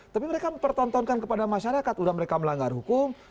tapi mereka mempertontonkan kepada masyarakat sudah mereka melanggar hukum